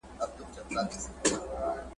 له دې څخه مرام دا دی